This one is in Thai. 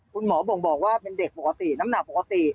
คุณหมอบ่งบอกว่าเป็นเด็กปกติน้ำหนักปกติ